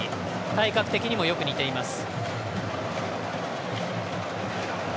体格的にもよく似ています。